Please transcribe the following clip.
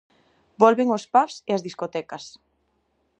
Volven os pubs e as discotecas!